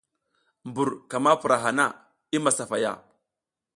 Mbur ka ma pura hana, i masafaya.